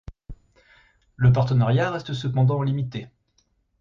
Le partenariat reste cependant limité.